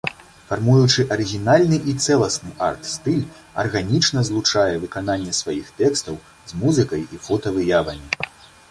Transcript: Фармуючы арыгінальны і цэласны арт-стыль, арганічна злучае выкананне сваіх тэкстаў з музыкай і фотавыявамі.